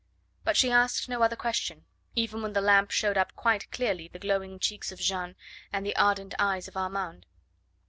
But she asked no other question, even when the lamp showed up quite clearly the glowing cheeks of Jeanne and the ardent eyes of Armand.